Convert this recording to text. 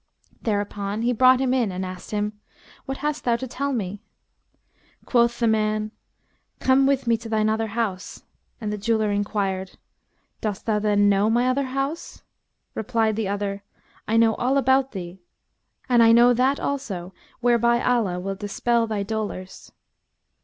Thereupon he brought him in and asked him, "What hast thou to tell me?" Quoth the man, "Come with me to thine other house;" and the jeweller enquired, "Dost thou then know my other house?" Replied the other, "I know all about thee and I know that also whereby Allah will dispel thy dolours."